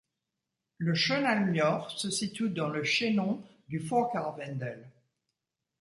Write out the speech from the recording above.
Le Schönalmjoch se situe dans le chaînon du Vorkarwendel.